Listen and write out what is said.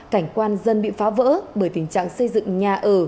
cảnh quan dân bị phá vỡ bởi tình trạng xây dựng nhà ở